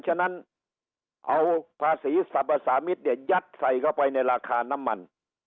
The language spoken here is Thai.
ฉะนั้นเอาภาษีสรรพสามิตรเนี่ยยัดใส่เข้าไปในราคาน้ำมัน